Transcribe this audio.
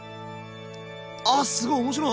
あすごい面白い。